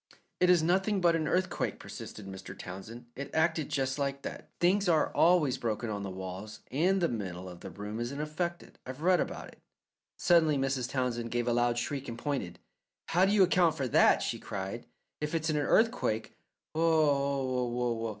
"It is nothing but an earthquake," persisted Mr. Townsend. "It acted just like that. Things always are broken on the walls, and the middle of the room isn't affected. I've read about it." Suddenly Mrs. Townsend gave a loud shriek and pointed. "How do you account for that," she cried, "if it's an earthquake? Oh, oh, oh!"